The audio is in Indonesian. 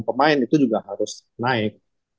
pemain itu juga harus naik